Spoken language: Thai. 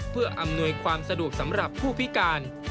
เพื่ออำนวยความสะดวกสำหรับผู้พิการ